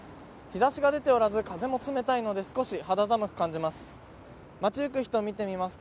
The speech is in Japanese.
日ざしが出ておらず風も冷たいので、少し肌寒く感じます。